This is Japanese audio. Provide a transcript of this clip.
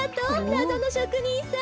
なぞのしょくにんさん。